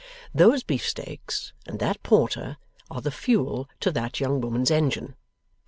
Those beefsteaks and that porter are the fuel to that young woman's engine.